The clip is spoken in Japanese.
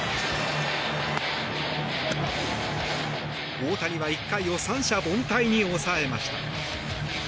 大谷は１回を三者凡退に抑えました。